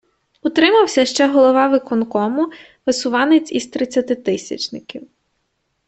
Утримався ще голова виконкому, висуванець з тридцятитисячників.